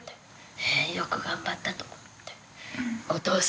よく頑張ったと思って。